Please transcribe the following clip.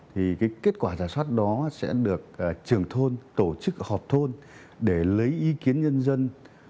thì cái kết quả giả soát đó sẽ được trường thôn tổ chức họp thôn để lấy ý kiến nhân dân